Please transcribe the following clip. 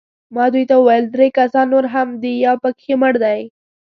ما دوی ته وویل: درې کسان نور هم دي، یو پکښې مړ دی.